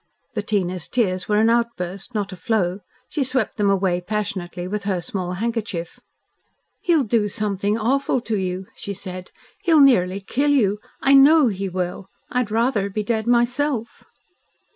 Bettina's tears were an outburst, not a flow. She swept them away passionately with her small handkerchief. "He'll do something awful to you," she said. "He'll nearly kill you. I know he will. I'd rather be dead myself."